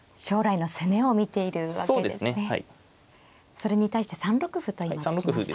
それに対して３六歩と今突きました。